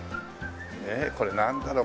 これなんだろう？